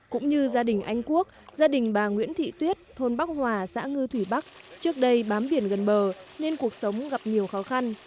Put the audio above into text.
cũng như gia đình anh quốc gia đình bà nguyễn thị tuyết thôn bắc hòa xã ngư thủy bắc trước đây bám biển gần bờ nên cuộc sống gặp nhiều khó khăn